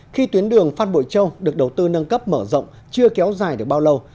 khi tuyến đường phát bội châu được đầu tư nâng cấp mở rộng chưa kéo dài được bao lâu